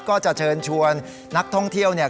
ก็จะเชิญชวนนักท่องเที่ยวเนี่ย